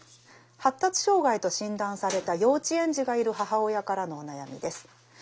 発達障害と診断された幼稚園児がいる母親からのお悩みです。